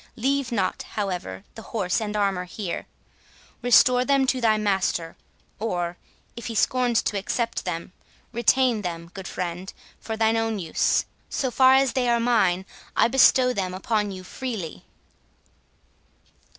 Leave not, however, the horse and armour here. Restore them to thy master; or, if he scorns to accept them, retain them, good friend, for thine own use. So far as they are mine, I bestow them upon you freely."